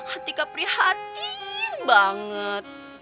atika prihatin banget